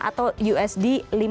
atau usd lima puluh